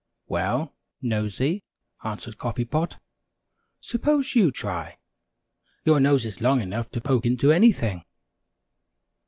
"Well, Nosey," answered Coffee Pot, "suppose you try your nose is long enough to poke into anything!"